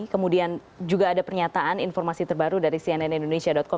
kemudian juga ada pernyataan informasi terbaru dari cnnindonesia com